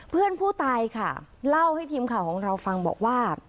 เพื่อนผู้ตายค่ะเล่าให้ทีมข่าวของเราฟังบอกว่า